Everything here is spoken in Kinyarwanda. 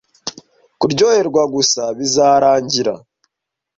kuryoherwa gusa bizarangira